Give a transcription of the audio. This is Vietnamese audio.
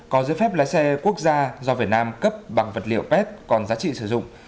có giấy phép lái xe quốc gia do việt nam cấp bằng vật liệu pet còn giá trị sử dụng